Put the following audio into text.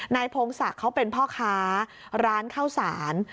พงศักดิ์เขาเป็นพ่อค้าร้านข้าวสาร